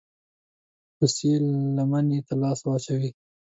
روسيې لمني ته لاس واچوي.